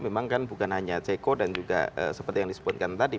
memang kan bukan hanya ceko dan juga seperti yang disebutkan tadi